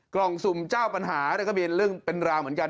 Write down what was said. กล่องสุ่มเจ้าปัญหาก็มีเรื่องเป็นราวเหมือนกัน